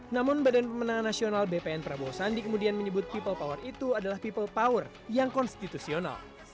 namun bpm prabowo sandi kemudian menyebut people power itu adalah people power yang konstitusional